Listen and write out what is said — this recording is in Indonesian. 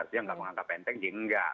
dia gak menganggap enteng sih enggak